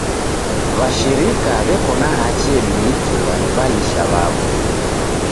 W'ashirika w'eko na hachi edumikilwa ni w'alisha w'aw'o.